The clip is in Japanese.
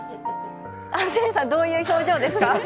安住さんどういう表情ですか？